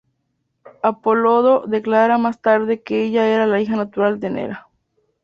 Apolodoro declarará más tarde que ella era la hija natural de Neera.